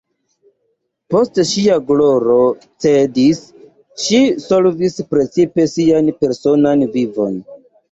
Poste ŝia gloro cedis, ŝi solvis precipe sian personan vivon.